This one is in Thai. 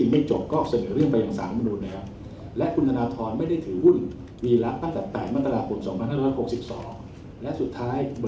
ไม่เคารพหลักการฟังความทุ๊กฝ่าย